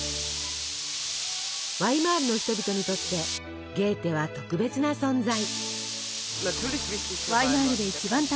ワイマールの人々にとってゲーテは特別な存在。